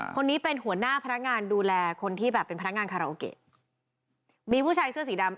คนนี้เป็นหัวหน้าพนักงานดูแลคนที่แบบเป็นพนักงานคาราโอเกะมีผู้ชายเสื้อสีดำ